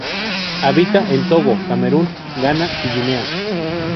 Habita en Togo, Camerún, Ghana y Guinea.